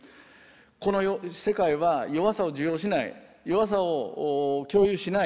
この世界は弱さを受容しない弱さを共有しない弱さを否定する。